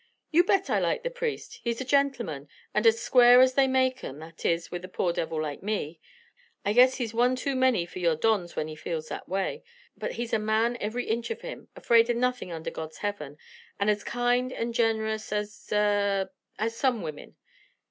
You bet I like the priest. He's a gentleman, and as square as they make 'em, that is, with a poor devil like me; I guess he's one too much for your dons when he feels that way. But he's a man every inch of him, afraid of nothin' under God's heaven, and as kind and generous as a as some women.